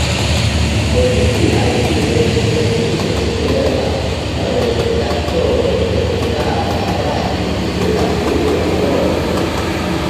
Post siaj studoj ŝi estis ekstera redaktoro de Hungara Radio ĝis la frua morto.